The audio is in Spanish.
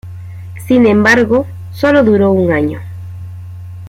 Sin embargo, sólo duró un año.